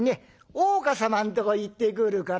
大岡様のとこ行ってくるから」。